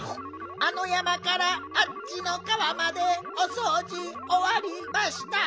あの山からあっちの川までおそうじおわりました。